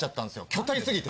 巨体すぎて。